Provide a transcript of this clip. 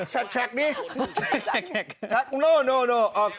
ชักแชกแชก